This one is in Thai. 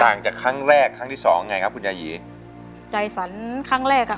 จากครั้งแรกครั้งที่สองไงครับคุณยายีใจฝันครั้งแรกอ่ะ